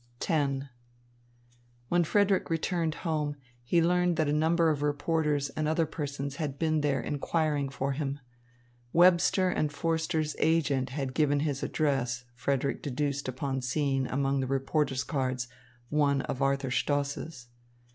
X When Frederick returned home, he learned that a number of reporters and other persons had been there inquiring for him. Webster and Forster's agent had given his address, Frederick deduced upon seeing among the reporters' cards one of Arthur Stoss's.